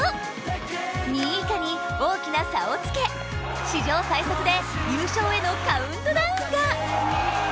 ２位以下に大きな差をつけ史上最速で優勝へのカウントダウンが。